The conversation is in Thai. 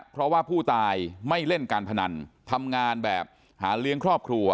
เพราะว่าผู้ตายไม่เล่นการพนันทำงานแบบหาเลี้ยงครอบครัว